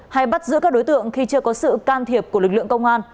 hay bắt giữ các đối tượng khi chưa có sự can thiệp của lực lượng công an